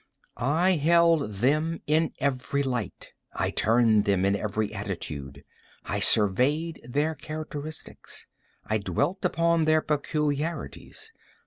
I held them in every light. I turned them in every attitude. I surveyed their characteristics. I dwelt upon their peculiarities.